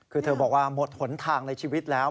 คือเธอบอกว่าหมดหนทางในชีวิตแล้ว